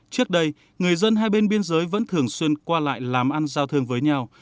trước đây người dân hai bên biên giới vẫn thường xuyên qua lại làm ăn giao thương với nhau